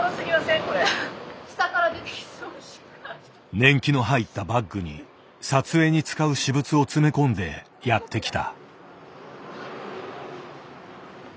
年季の入ったバッグに撮影に使う私物を詰め込んでやってきた。